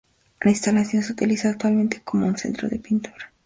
La instalación se utiliza actualmente como un centro de pintura.